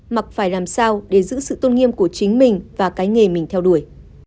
mặc phải làm sao để giữ sự tôn nghiêm của chính mình và cái nghề mình theo đuổi